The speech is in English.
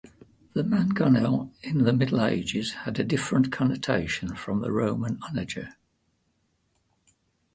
The mangonel in the Middle Ages had a different connotation from the Roman onager.